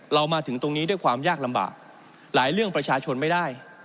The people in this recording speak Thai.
มาถึงตรงนี้ด้วยความยากลำบากหลายเรื่องประชาชนไม่ได้